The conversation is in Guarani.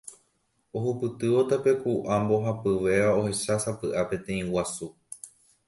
Ohupytývo tapeku'a mbohapyvéva ohechásapy'a peteĩ guasu.